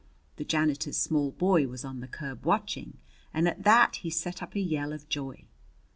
The janitor's small boy was on the curb watching, and at that he set up a yell of joy.